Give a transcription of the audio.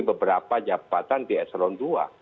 beberapa jabatan di esron dua